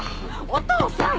お父さん！